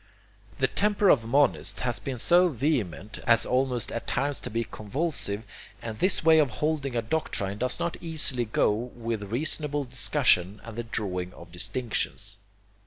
The temper of monists has been so vehement, as almost at times to be convulsive; and this way of holding a doctrine does not easily go with reasonable discussion and the drawing of distinctions.